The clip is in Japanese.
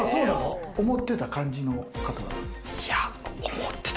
思ってた感じの方だった。